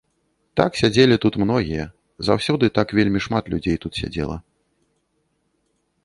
Так сядзелі тут многія, заўсёды так вельмі шмат людзей тут сядзела.